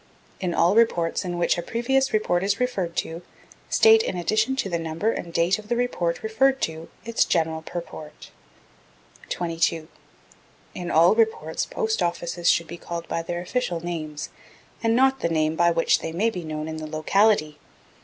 In all reports in which a previous report is referred to, state in addition to the number and date of the report referred to, its general purport. 22. In all reports Post Offices should be called by their official names, and not by the name by which they may be known in the locality.